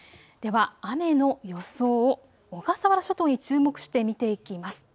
雨の予想を小笠原諸島に注目して見ていきます。